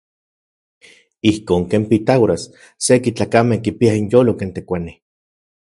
Ijkon ken Pitágoras seki tlakamej kipiaj inyolo ken tekuanij.